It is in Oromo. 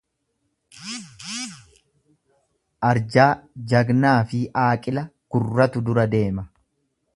Arjaa, jagnaafi aaqila gurratu dura deema.